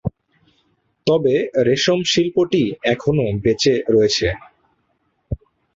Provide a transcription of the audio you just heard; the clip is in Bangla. তবে রেশম শিল্পটি এখনও বেঁচে রয়েছে।